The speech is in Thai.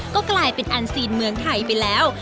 ก็กลายเป็นอันซีนเมืองไทยไปแล้ว